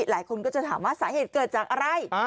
หลายคนก็จะถามว่าสาเหตุเกิดจากอะไร